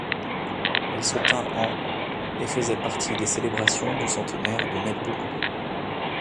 Elle se tint en et faisait partie des célébrations du centenaire de Melbourne.